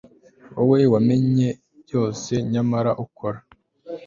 wowe wamenye byose, nyamara ukora